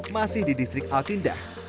masih di distrik altinda